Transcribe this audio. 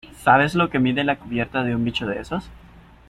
¿ sabes lo que mide la cubierta de un bicho de esos?